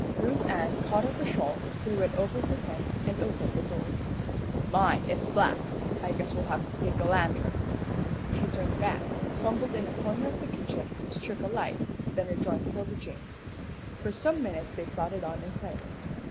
Ruth Ann caught up a shawl, threw it over her head, and opened the door. "My it's black! I guess we'll have to take a lantern." She turned back, fumbled in a corner of the kitchen, struck a light, then rejoined 'Tilda Jane. For some minutes they plodded on in silence.